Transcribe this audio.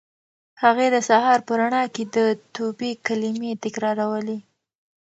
هغې د سهار په رڼا کې د توبې کلمې تکرارولې.